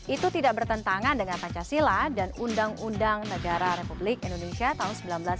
itu tidak bertentangan dengan pancasila dan undang undang negara republik indonesia tahun seribu sembilan ratus empat puluh lima